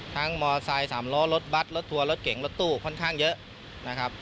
มอไซค์๓ล้อรถบัตรรถทัวร์รถเก๋งรถตู้ค่อนข้างเยอะนะครับ